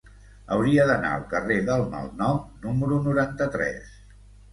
Hauria d'anar al carrer del Malnom número noranta-tres.